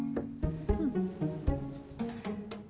うん。